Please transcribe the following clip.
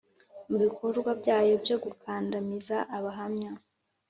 mu bikorwa byabo byo gukandamiza Abahamya.